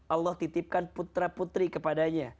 allah titipkan putra putri kepadanya